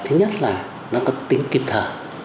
thứ nhất là nó có tính kịp thở